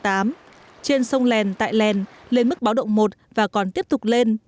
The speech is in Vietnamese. trên sông lèn tại lèn lên mức báo động một và còn tiếp tục lên